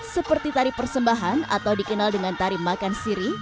seperti tari persembahan atau dikenal dengan tari makan siri